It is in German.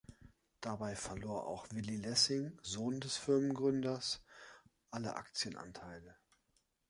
Dabei verlor auch Willy Lessing, Sohn des Firmengründers, alle Aktienanteile.